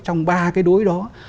trong ba cái đối đó